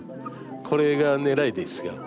これがねらいですよ。